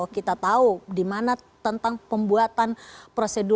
kita tahu di mana tentang pembuatan prosedur